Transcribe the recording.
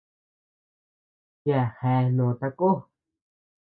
Yaʼa jea noo takó.